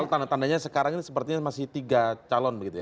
kalau tanda tandanya sekarang ini sepertinya masih tiga calon begitu ya